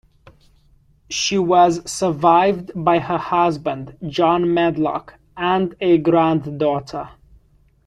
She was survived by her husband, John Medlock, and a granddaughter.